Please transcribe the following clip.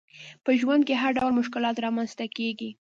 په ژوند کي هرډول مشکلات رامنځته کیږي